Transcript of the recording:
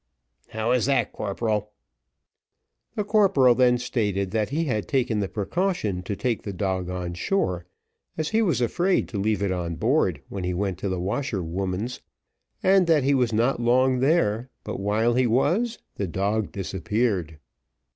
"How is that, corporal?" The corporal then stated that he had taken the precaution to take the dog on shore, as he was afraid to leave it on board when he went to the washerwoman's, and that he was not long there, but while he was, the dog disappeared.